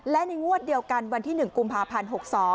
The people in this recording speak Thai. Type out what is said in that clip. และในงวดเดียวกันวันที่๑กุมภาพันธ์๖๒